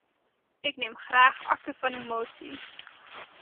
Ik neem graag akte van uw motie.